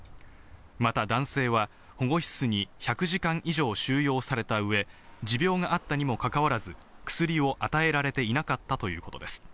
また男性は保護室に１００時間以上収容された上、持病があったにもかかわらず、薬を与えられていなかったということです。